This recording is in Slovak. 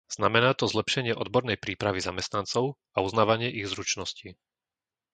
Znamená to zlepšenie odbornej prípravy zamestnancov a uznávanie ich zručností.